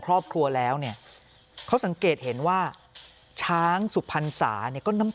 ครอบครัวแล้วเนี่ยเขาสังเกตเห็นว่าช้างสุพรรษาเนี่ยก็น้ำ